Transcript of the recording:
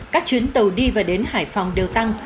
các chuyến tàu đi và đến hải phòng